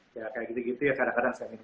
ya kayak gitu gitu ya kadang kadang saya